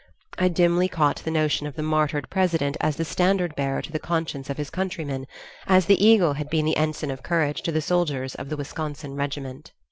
I dimly caught the notion of the martyred President as the standard bearer to the conscience of his countrymen, as the eagle had been the ensign of courage to the soldiers of the Wisconsin regiment.